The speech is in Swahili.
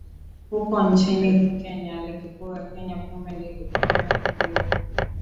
huko nchini kenya ligi kuu ya kenya premier league ukipenda kpl